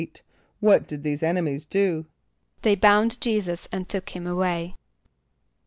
= What did these enemies do? =They bound J[=e]´[s+]us and took him away=.